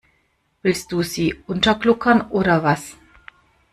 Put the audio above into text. Willst du sie untergluckern oder was?